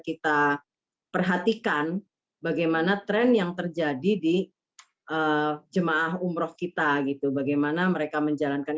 kita perhatikan bagaimana tren yang terjadi di jemaah umroh kita gitu bagaimana mereka menjalankan